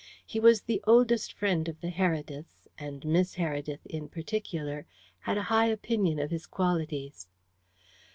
He was the oldest friend of the Herediths, and Miss Heredith, in particular, had a high opinion of his qualities.